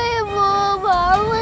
ibu bangun bu